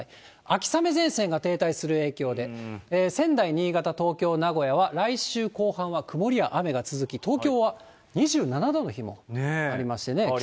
秋雨前線が停滞する影響で、仙台、新潟、東京、名古屋は来週後半は曇りや雨が続き、変わりましたね。